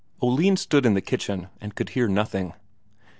Oline stood in the kitchen and could hear nothing.